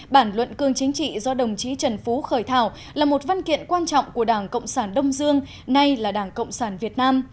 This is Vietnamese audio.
bản luận cương chính trị do đồng chí trần phú khởi thảo là một văn kiện quan trọng của đảng cộng sản đông dương nay là đảng cộng sản việt nam